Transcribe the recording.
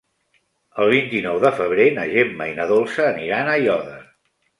El vint-i-nou de febrer na Gemma i na Dolça aniran a Aiòder.